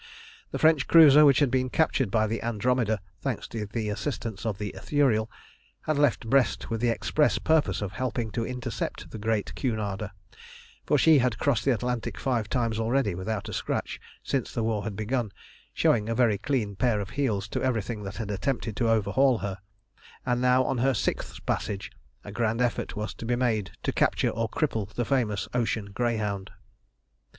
The French cruiser which had been captured by the Andromeda, thanks to the assistance of the Ithuriel, had left Brest with the express purpose of helping to intercept the great Cunarder, for she had crossed the Atlantic five times already without a scratch since the war had begun, showing a very clean pair of heels to everything that had attempted to overhaul her, and now on her sixth passage a grand effort was to be made to capture or cripple the famous ocean greyhound.